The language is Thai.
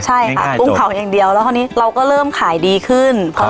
ใช่ค่ะกุ้งเผาอย่างเดียวแล้วคราวนี้เราก็เริ่มขายดีขึ้น